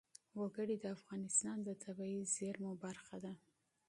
وګړي د افغانستان د طبیعي زیرمو برخه ده.